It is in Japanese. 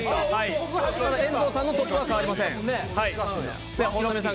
遠藤さんのトップは変わりません。